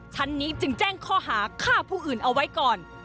ชั้นนี้จึงแจ้งข้อหาฆ่าผู้อื่นเอาไว้ก่อน